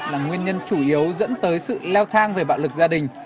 là nguyên nhân chủ yếu dẫn tới sự leo thang về bạo lực gia đình